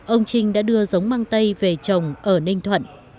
ông trinh đã đưa giống mang tây về trồng ở ninh thuận